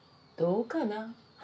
どうかな？